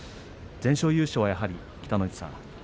全勝優勝はやはり、北の富士さん